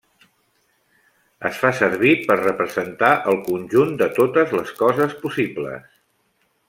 Es fa servir per representar el conjunt de totes les coses possibles.